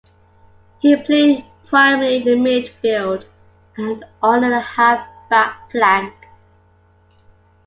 He played primarily in midfield and on the half back flank.